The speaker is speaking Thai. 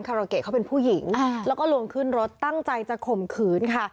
โรเกะเขาเป็นผู้หญิงแล้วก็ลวงขึ้นรถตั้งใจจะข่มขืนค่ะ